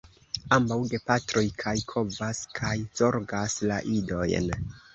Ambaŭ gepatroj kaj kovas kaj zorgas la idojn.